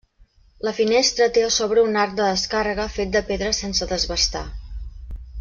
La finestra té a sobre un arc de descàrrega fet de pedres sense desbastar.